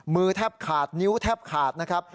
มือแทบขาดนิ้วแทบขาดนะครับ